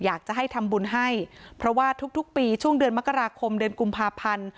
อยากจะให้ทำบุญให้เพราะว่าทุกปีช่วงเดือนมกราคมเดือนกุมภาพันธ์